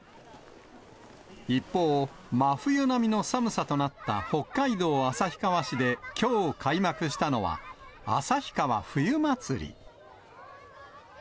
一方、真冬並みの寒さとなった北海道旭川市できょう開幕したのは、旭川冬まつり。